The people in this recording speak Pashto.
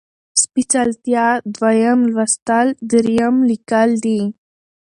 سپېڅلتيا ، دويم لوستل ، دريم ليکل دي